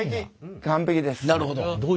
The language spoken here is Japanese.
完璧です。